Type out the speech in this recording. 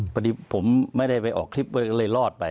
พอดีผมไม่ได้ไปออกคลิปก็เลยรอดไป